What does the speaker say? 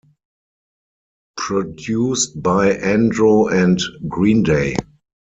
Produced by Andro and Green Day.